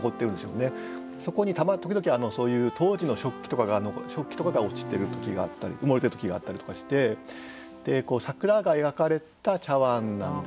そこに時々そういう当時の食器とかが落ちてる時があったり埋もれてる時があったりとかして桜が描かれた茶碗なんですよね。